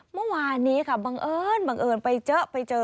เมื่อวานนี้ค่ะบังเอิญไปเจอะไปเจอ